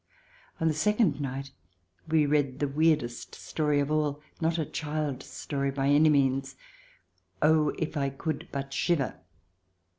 On the second night we read the weirdest story of all — not a child's story by any means. "Oh, if I could but shiver